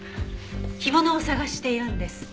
干物を捜しているんです。